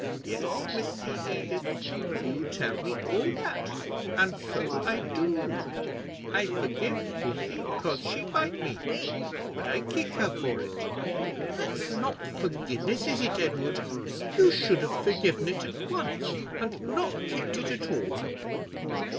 "Yes, Missy Edith, you tell me all that, and so I do; I forgive pussy 'cause she bite me, but I kick her for it." "That's not forgiveness, is it, Edward? You should have forgiven it at once, and not kicked it at all."